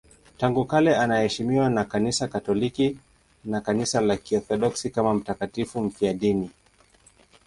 Tangu kale anaheshimiwa na Kanisa Katoliki na Kanisa la Kiorthodoksi kama mtakatifu mfiadini.